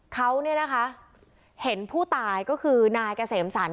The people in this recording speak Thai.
เขาเนี่ยนะคะเห็นผู้ตายก็คือนายเกษมสรร